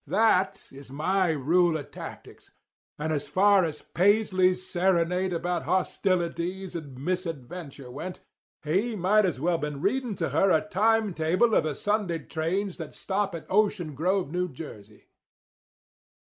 That was my rule of tactics; and as far as Paisley's serenade about hostilities and misadventure went, he might as well have been reading to her a time table of the Sunday trains that stop at Ocean Grove, New Jersey.